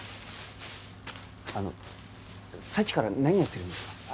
あのさっきから何やってるんですか？